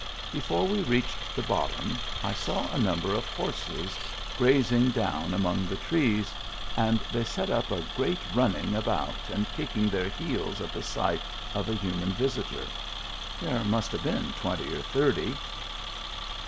Before we reached the bottom I saw a number of horses grazing down among the trees, and they set up a great running about and kicking their heels at the sight of a human visitor. There must have been twenty or thirty.